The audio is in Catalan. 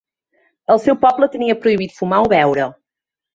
El seu poble tenia prohibit fumar o beure.